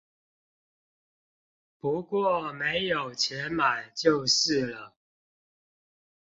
不過沒有錢買就是了